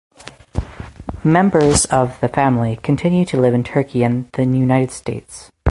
Members of the family continue to live in Turkey and the United States.